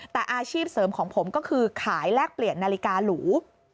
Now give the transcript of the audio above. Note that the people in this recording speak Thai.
แต่อาชีพเสริมของผมก็คือขายแลกเปลี่ยนนาฬิกาหรู